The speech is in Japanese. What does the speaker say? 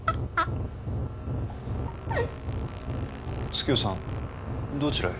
月代さんどちらへ？